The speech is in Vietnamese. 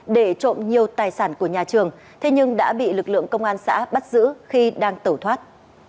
để trộm nhiều tài sản của nhà trường thế nhưng đã bị lực lượng công an xã bắt giữ khi đang tẩu thoát